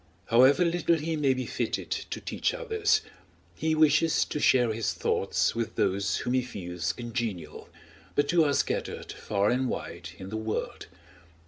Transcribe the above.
However little he may be fitted to teach others, he wishes to share his thoughts with those whom he feels congenial, but who are scattered far and wide in the world.